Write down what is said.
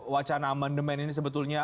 wacana mendemain ini sebetulnya